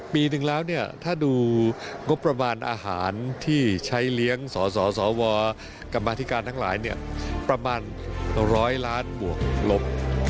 ปีหนึ่งแล้วเนี่ยถ้าดูงบประมาณอาหารที่ใช้เลี้ยงสสวกรรมธิการทั้งหลายประมาณ๑๐๐ล้านบวกลบ